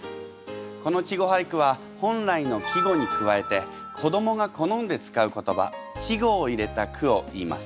この「稚語俳句」は本来の季語に加えて子どもが好んで使う言葉稚語を入れた句をいいます。